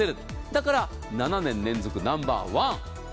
だから７年連続ナンバーワン。